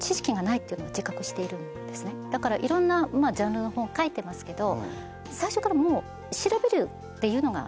だからいろんなジャンルの本書いてますけど。